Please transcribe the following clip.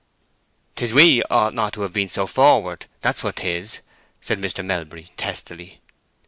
"'Tis we ought not to have been so forward; that's what 'tis," said Mr. Melbury, testily.